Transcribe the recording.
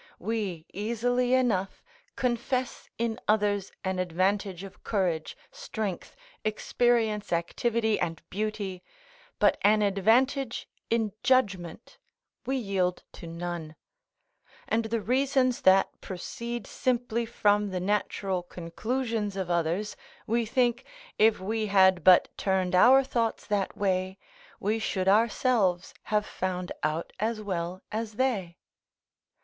We easily enough confess in others an advantage of courage, strength, experience, activity, and beauty, but an advantage in judgment we yield to none; and the reasons that proceed simply from the natural conclusions of others, we think, if we had but turned our thoughts that way, we should ourselves have found out as well as they.